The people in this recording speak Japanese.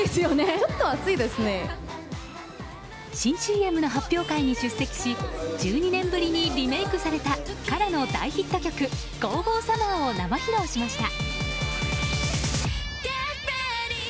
新ＣＭの発表会に出席し１２年ぶりにリメイクされたＫＡＲＡの大ヒット曲「ＧＯＧＯサマー！」を生披露しました。